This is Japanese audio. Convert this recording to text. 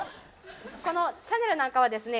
このチャネルなんかはですね